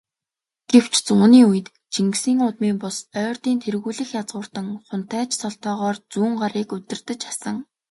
Гэвч, зууны үед Чингисийн удмын бус, Ойрдын тэргүүлэх язгууртан хунтайж цолтойгоор Зүүнгарыг удирдаж асан.